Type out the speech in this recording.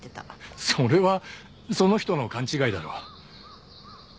それはその人の勘違いだろう。